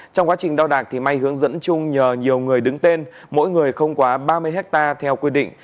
trong quá trình đo đạc may hướng dẫn trung nhờ nhiều người đứng tên mỗi người không quá ba mươi hectare theo quy định